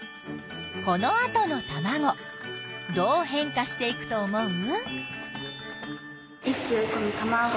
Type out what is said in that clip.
このあとのたまごどう変化していくと思う？